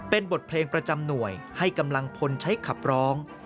เป็นบทเพลงประจำหน่วยให้กำลังพลใช้ขับร้อง